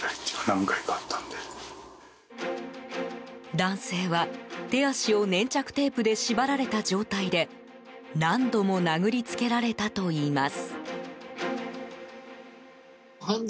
男性は、手足を粘着テープで縛られた状態で何度も殴りつけられたといいます。